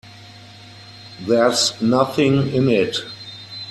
There's nothing in it.